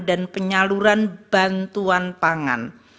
dan penyaluran bantuan pangan